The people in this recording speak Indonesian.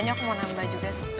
ini aku mau nambah juga sih